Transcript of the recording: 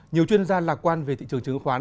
nhiều chuyên gia lạc quan về thị trường chứng khoán